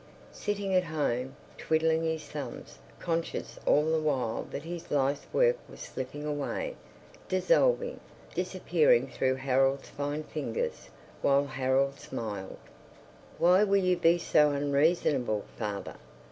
Sitting at home, twiddling his thumbs, conscious all the while that his life's work was slipping away, dissolving, disappearing through Harold's fine fingers, while Harold smiled.... "Why will you be so unreasonable, father?